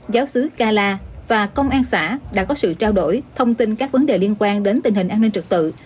giáo sứ cala và công an xã đã có sự trao đổi thông tin các vấn đề liên quan đến tình hình an ninh trật tự